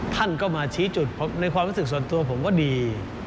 ท่านก็มาชี้จุดในความรู้สึกส่วนตัวผมก็ดี